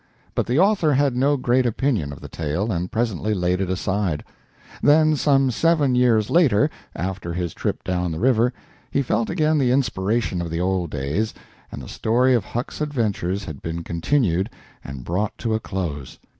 But the author had no great opinion of the tale and presently laid it aside. Then some seven years later, after his trip down the river, he felt again the inspiration of the old days, and the story of Huck's adventures had been continued and brought to a close.